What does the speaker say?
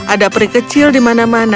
ada peri kecil di mana mereka berada